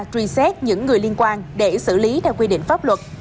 truy xét những người liên quan để xử lý theo quy định pháp luật